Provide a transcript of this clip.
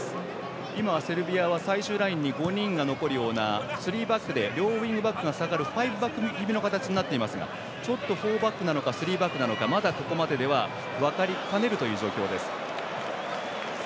セルビアは最終ラインに５人が残るようなスリーバックで両ウィングバックが下がるファイブバック気味の形になっていますがフォーバックかスリーバックかまだここまででは分かりかねるという状況です。